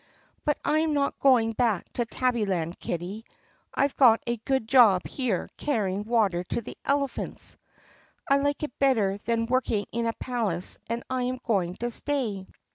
"But I 'm not going back to Tabbyland, kitty. I 've got a good job here carrying water to the elephants. I like it better than working in a palace and I am going to stay."